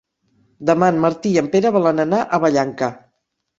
Demà en Martí i en Pere volen anar a Vallanca.